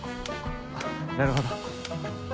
なるほど。